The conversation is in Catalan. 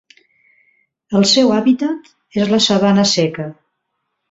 El seu hàbitat és la sabana seca.